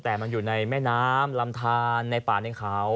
แต่มันอยู่ในแม่น้ำลำทานในป่าในเขา